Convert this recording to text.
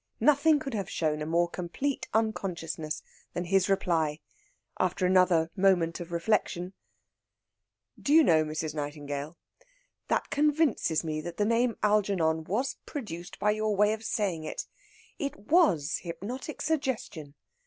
Nothing could have shown a more complete unconsciousness than his reply, after another moment of reflection: "Do you know, Mrs. Nightingale, that convinces me that the name Algernon was produced by your way of saying it. It was hypnotic suggestion!